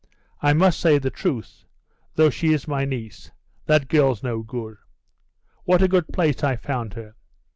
I must say the truth, though she is my niece: that girl's no good. What a good place I found her!